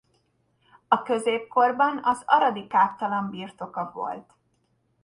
A középkorban az aradi káptalan birtoka volt.